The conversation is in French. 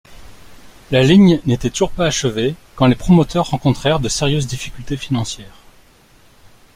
La ligne n'était toujours pas achevée quand les promoteurs rencontrèrent de sérieuses difficultés financières.